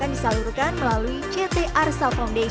disalurkan melalui ct arsa foundation